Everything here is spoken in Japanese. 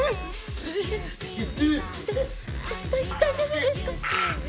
だ大丈夫ですか？